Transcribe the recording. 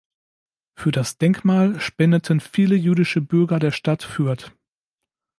Für das Denkmal spendeten viele jüdische Bürger der Stadt Fürth.